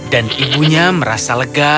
dan ibunya merasa lega